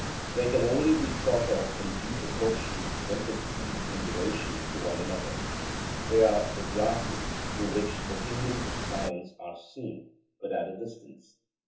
They can only be thought of in due proportion when conceived in relation to one another. They are the glasses through which the kingdoms of science are seen, but at a distance.